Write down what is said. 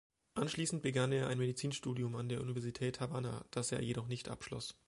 Anschließend begann er ein Medizinstudium an der Universität Havanna, das er jedoch nicht abschloss.